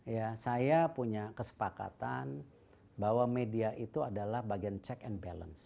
ya saya punya kesepakatan bahwa media itu adalah bagian check and balance